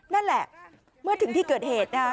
นั่นแหละเมื่อถึงที่เกิดเหตุนะฮะ